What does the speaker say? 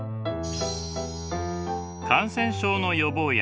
感染症の予防薬